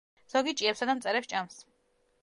ზოგი ჭიებსა და მწერებს ჭამს.